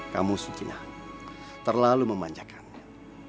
kamu sujina terlalu memanjakannya